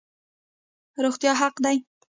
روغتیا حق دی